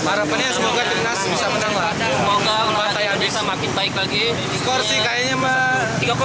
para penyias semoga timnas bisa menang lah